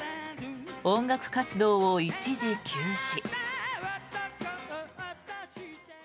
音楽活動を一時休止。